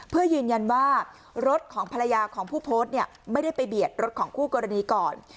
เพื่อยืนยันว่ารถของภรรยาของผู้โพสต์เนี่ยไม่ได้ไปเบียดรถของคู่กรณีก่อน